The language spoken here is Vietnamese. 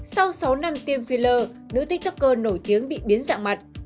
sau sáu năm tiêm filler nữ tích tắc cơ nổi tiếng bị biến dạng mặt